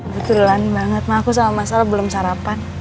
betulan banget ma aku sama mas alu belum sarapan